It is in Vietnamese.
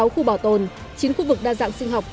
bốn mươi sáu khu bảo tồn chín khu vực đa dạng sinh học